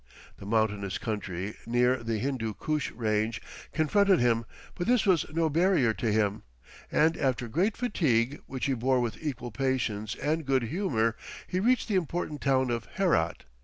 The mountainous country, near the Hindoo Koosh range, confronted him, but this was no barrier to him, and after great fatigue, which he bore with equal patience and good humour, he reached the important town of Herat.